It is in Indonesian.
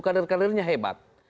karena karirnya hebat